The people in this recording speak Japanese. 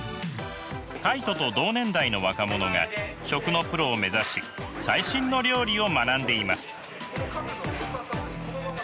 カイトと同年代の若者が食のプロを目指し最新の料理を学んでいます。